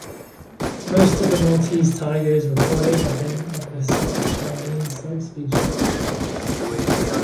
Most of the Maltese tigers reported have been of the South Chinese subspecies.